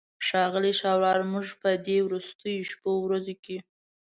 ښاغلی ښاروال موږ په دې وروستیو شپو ورځو کې.